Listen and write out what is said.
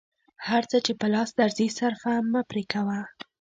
هر څه چې په لاس درځي صرفه مه پرې کوه.